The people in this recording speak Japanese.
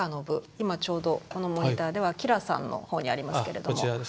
今ちょうどこのモニターでは吉良さんの方にありますけれども。